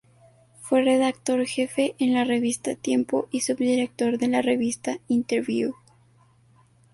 Fue redactor jefe en la revista "Tiempo" y subdirector de la revista "Interviú".